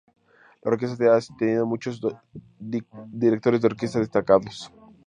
La orquesta ha tenido muchos directores de orquesta destacados.